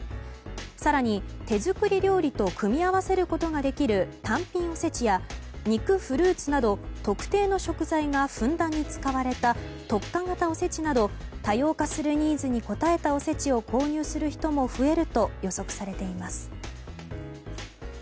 更に手作り料理と組み合わせることができる単品おせちや肉、フルーツなど特定の食材がふんだんに使われた特化型おせちなど、多様化するニーズに応えたおせちを購入する人も増えると予測されています。